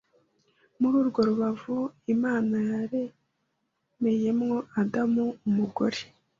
Muri urwo rubavu, Imana yaremeyemo Adamu umugore